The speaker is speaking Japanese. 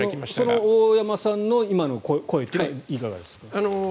その大山さんの今の声というのはいかがですか？